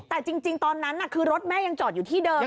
แต่จริงตอนนั้นคือรถแม่ยังจอดอยู่ที่เดิม